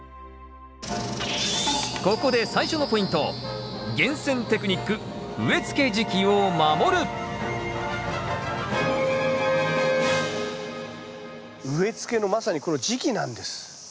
ここで最初のポイント植え付けのまさにこの時期なんです。